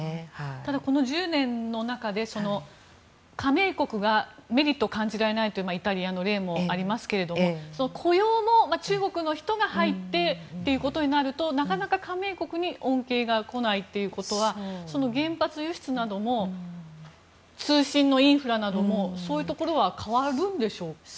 ただ、この１０年の中で加盟国がメリットを感じられないというイタリアの例もありますけれども雇用も中国の人が入ってということになるとなかなか加盟国に恩恵が来ないということは原発輸出なども通信のインフラなどもそういうところは変わるんでしょうか？